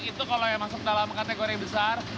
itu kalau yang masuk dalam kategori besar